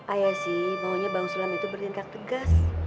ayah sih maunya bang sulam itu bertindak tegas